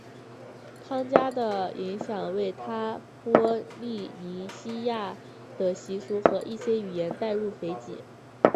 汤加的影响为他将波利尼西亚的习俗和一些语言带入斐济。